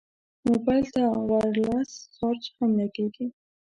موبایل ته وایرلس چارج هم لګېږي.